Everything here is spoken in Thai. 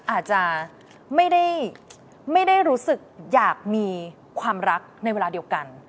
อาจจะไม่ได้รู้สึกอยากมีความรักในเวลาเดียวกัน